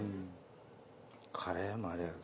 カレーもあれやぞ。